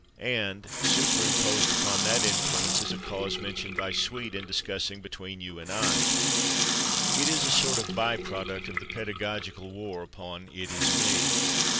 And superimposed upon that influence is a cause mentioned by Sweet in discussing "between you and /I/." It is a sort of by product of the pedagogical war upon "it is /me